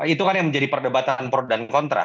itu kan yang menjadi perdebatan pro dan kontra